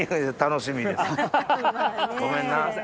ごめんな。